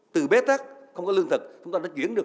từ bế tắc không có lương thực chúng ta đã diễn được